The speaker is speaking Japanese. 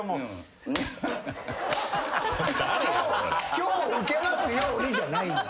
今日ウケますようにじゃないのよ。